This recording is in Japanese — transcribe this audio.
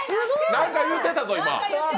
何か言うてたぞ。